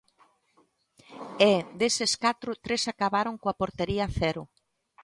E, deses catro, tres acabaron coa portería a cero.